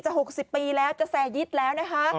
จะ๖๐ปีแล้วจะแซร์ยิสแล้วนะฮะ